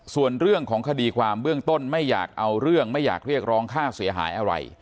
ส่วนเรื่องของคดีความเบื้องต้นไม่อยากเอาเรื่องไม่อยากเรียกร้องค่าเสียหายอะไร